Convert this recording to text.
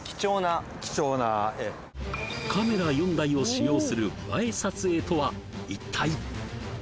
はいカメラ４台を使用する映え撮影とは一体？